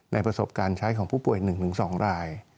ประสบการณ์ใช้ของผู้ป่วย๑๒ราย